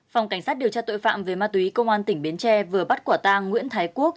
phòng cảnh sát điều tra tội phạm về ma túy công an tỉnh bến tre vừa bắt quả tang nguyễn thái quốc